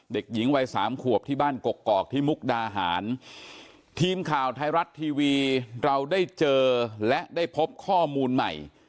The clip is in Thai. เด็กหญิงวัยสามขวบที่บ้านกกอกที่มุกดาหารทีมข่าวไทยรัฐทีวีเราได้เจอและได้พบข้อมูลใหม่